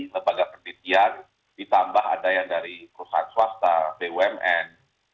lembaga penelitian ditambah ada yang dari perusahaan swasta bumn